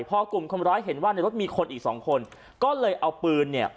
พอกลุ่มคนร้ายเห็นว่าในรถมีคนอีกสองคนก็เลยเอาปืนเนี่ย